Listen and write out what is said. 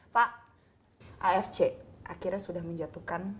pak afc akhirnya sudah menjatuhkan